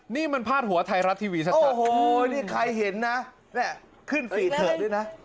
นี่มันพาดหัวไทยรัฐทีวีชัดนี่ใครเห็นนะเนี่ยขึ้นฟรีเถอะด้วยนะ